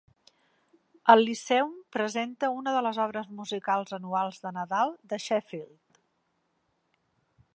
El Lyceum presenta una de les obres musicals anuals de Nadal de Sheffield.